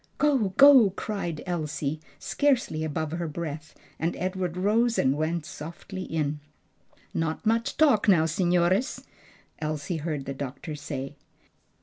"Go! go!" cried Elsie, scarcely above her breath, and Edward rose and went softly in. "Not much talk now, signores," Elsie heard the doctor say.